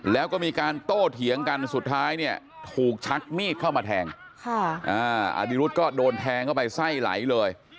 แล้วก็มีการโต้เถียงกันสุดท้ายเนี่ยถูกชักมีดเข้ามาแทงอดิรุธก็โดนแทงเข้าไปไส้ไหลเลย